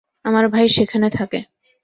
আমার ভাই সেখানে থাকে।